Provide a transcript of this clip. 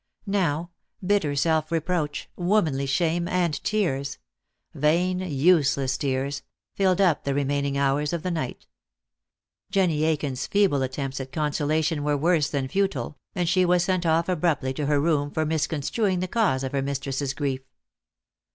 Now, bitter self reproach, womanly shame, and tears vain, useless tears filled up the remaining hours of the night. Jenny Aiken s feeble attempts at consolation were worse than futile, and she was sent off abruptly to her room for misconstruing the cause of her mistress grief.